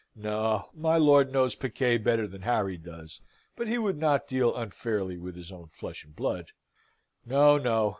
No. My lord knows piquet better than Harry does, but he would not deal unfairly with his own flesh and blood. No, no.